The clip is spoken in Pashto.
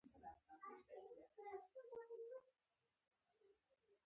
داخله وزیر په حیث تعین شول.